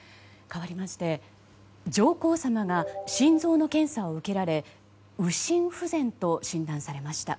かわりまして上皇さまが心臓の検査を受けられ右心不全と診断されました。